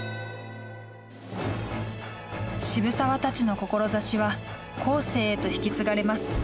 渋沢たちの志は後世へと引き継がれます。